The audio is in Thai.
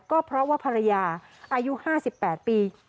ก็เพราะว่าภรรยาอายุ๕๘ปี